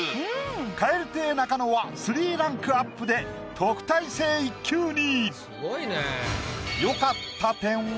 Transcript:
蛙亭中野は３ランクアップで特待生１級に！